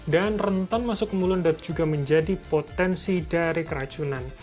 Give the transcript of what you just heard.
dan rentan masuk ke mulut anda juga menjadi potensi dari keracunan